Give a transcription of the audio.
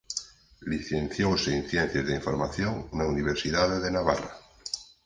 Licenciouse en Ciencias da Información na Universidade de Navarra.